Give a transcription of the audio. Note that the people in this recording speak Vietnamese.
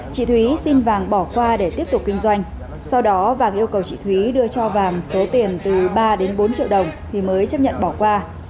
chị thúy xin vàng bỏ qua để tiếp tục kinh doanh sau đó vàng yêu cầu chị thúy đưa cho vàng số tiền từ ba đến bốn triệu đồng thì mới chấp nhận bỏ qua